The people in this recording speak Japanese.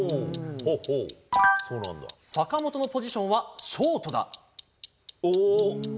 坂本のポジションはショートだ。